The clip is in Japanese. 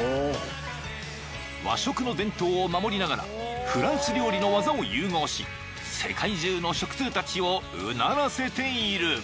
［和食の伝統を守りながらフランス料理の業を融合し世界中の食通たちをうならせている］